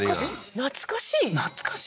懐かしい？